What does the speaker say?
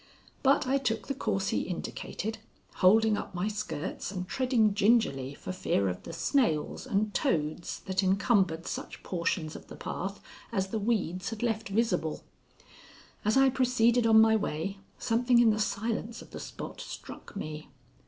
But I took the course he indicated, holding up my skirts, and treading gingerly for fear of the snails and toads that incumbered such portions of the path as the weeds had left visible. As I proceeded on my way, something in the silence of the spot struck me.